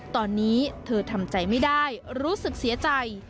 ตอนนี้เธอทำใจไม่ได้รู้สึกเสียใจ